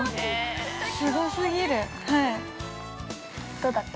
◆どうだった？